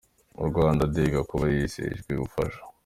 Muri Rwanda Day Gakuba yizejwe ubufasha.